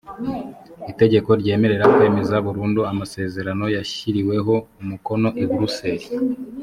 itegeko ryemerera kwemeza burundu amasezerano yashyiriweho umukono i buruseli